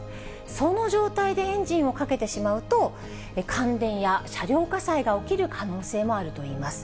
その状態でエンジンをかけてしまうと、感電や車両火災が起きる可能性もあるといいます。